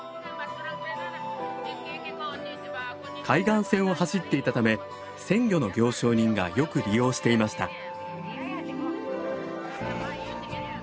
海岸線を走っていたため鮮魚の行商人がよく利用していました。